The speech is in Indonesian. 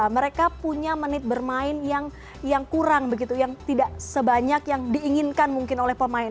mereka punya menit bermain yang kurang begitu yang tidak sebanyak yang diinginkan mungkin oleh pemain